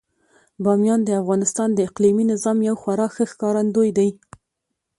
بامیان د افغانستان د اقلیمي نظام یو خورا ښه ښکارندوی دی.